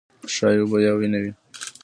ښايي اوبه یا وینه وي.